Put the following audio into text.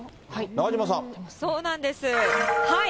そうなんです。